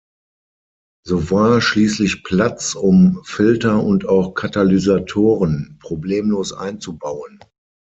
So war schließlich Platz um Filter und auch Katalysatoren problemlos einzubauen.